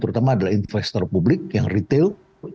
terutama adalah investor publik yang retail